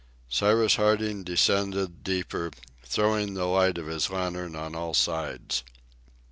Cyrus Harding descended deeper, throwing the light of his lantern on all sides.